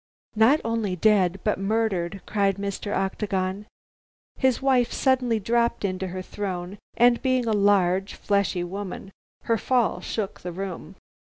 "Not only dead, but murdered!" cried Mr. Octagon. His wife suddenly dropped into her throne and, being a large fleshly woman, her fall shook the room.